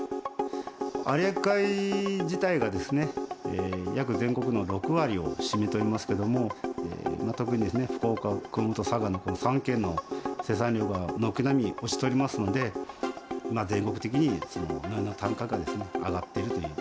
有明海自体が、約全国の６割を占めておりますけれども、特に福岡、熊本、佐賀の３県の生産量が軒並み落ちておりますので、全国的にのりの単価が上がっているという。